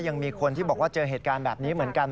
ยังมีคนที่บอกว่าเจอเหตุการณ์แบบนี้เหมือนกัน